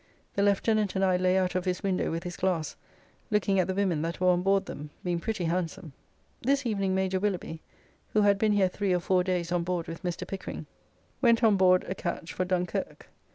The lieutenant and I lay out of his window with his glass, looking at the women that were on board them, being pretty handsome. This evening Major Willoughby, who had been here three or four days on board with Mr. Pickering, went on board a catch [ketch] for Dunkirk.